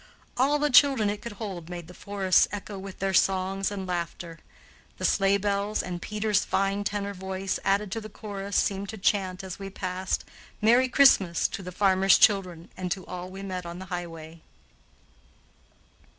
All the children it could hold made the forests echo with their songs and laughter. The sleigh bells and Peter's fine tenor voice added to the chorus seemed to chant, as we passed, "Merry Christmas" to the farmers' children and to all we met on the highway.